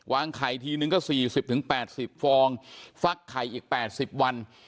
วางไข่ทีนึงก็สี่สิบถึงแปดสิบฟองฟักไข่อีกแปดสิบวัน